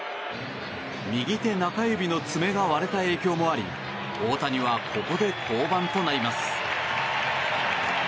右手中指の爪が割れた影響もあり大谷はここで降板となります。